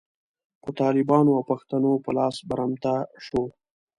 په طالبانو او پښتنو په لاس برمته شوه.